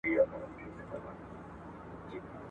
د کره کتني اصول له شخصي نظر قوي وي.